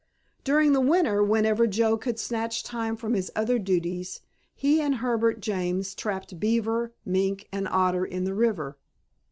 During the winter whenever Joe could snatch time from his other duties he and Herbert James trapped beaver, mink, and otter in the river.